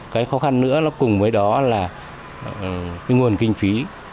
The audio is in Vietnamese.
cái khó khăn nữa cùng với đó là cái nguồn kinh phí